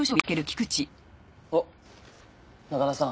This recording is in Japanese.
あっ中田さん。